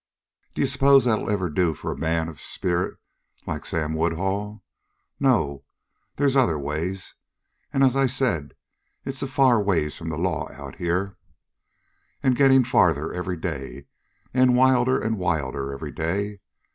Do you suppose that'll ever do for a man of spirit like Sam Woodhull? No, there's other ways. And as I said, it's a far ways from the law out here, and getting farther every day, and wilder and wilder every day.